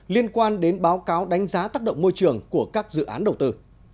liên quan đến báo cáo đánh giá tác động môi trường của các dự án đầu tư